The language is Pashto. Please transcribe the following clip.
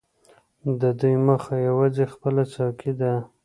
د دوی موخه یوازې خپله څوکۍ ده.